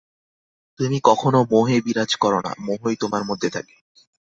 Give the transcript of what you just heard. তুমি কখনও মোহে বিরাজ কর না, মোহই তোমার মধ্যে থাকে।